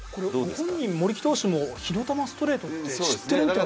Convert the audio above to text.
本人森木投手も火の球ストレートって知ってるんですか？